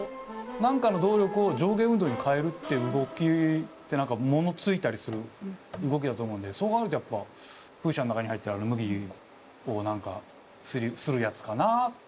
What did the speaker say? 何かの動力を上下運動に変えるっていう動きって何かものついたりする動きだと思うんでそう考えるとやっぱ風車の中に入ってる麦を何かするやつかなあ。